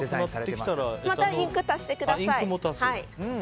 またインクを足してください。